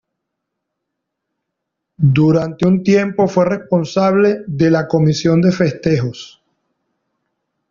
Durante un tiempo fue responsable de la Comisión de Festejos.